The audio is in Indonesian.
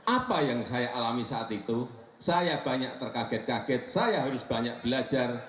apa yang saya alami saat itu saya banyak terkaget kaget saya harus banyak belajar